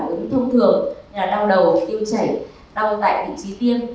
các phản ứng thông thường như là đau đầu tiêu chảy đau dạy bụng trí tiêm